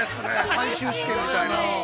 最終試験みたいな。